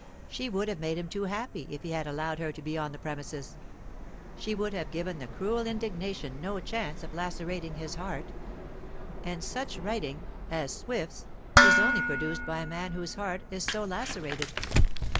She would have made him too happy if he had allowed her to be on the premises. She would have given the cruel indignation no chance of lacerating his heart; and such writing as Swift's is only produced by a man whose heart is so lacerated.